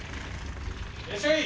いらっしゃい！